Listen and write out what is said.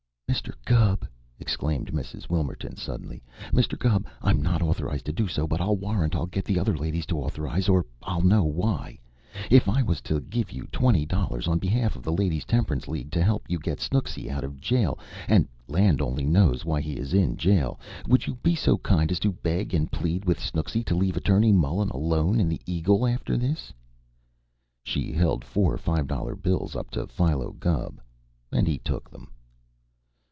"Mr. Gubb!" exclaimed Mrs. Wilmerton suddenly "Mr. Gubb, I'm not authorized so to do, but I'll warrant I'll get the other ladies to authorize, or I'll know why. If I was to give you twenty dollars on behalf of the Ladies' Temperance League to help get Snooksy out of jail, and land only knows why he is in jail, would you be so kind as to beg and plead with Snooksy to leave Attorney Mullen alone, in the 'Eagle,' after this?" She held four five dollar bills up to Philo Gubb, and he took them.